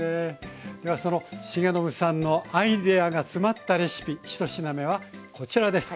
ではその重信さんのアイデアが詰まったレシピ１品目はこちらです。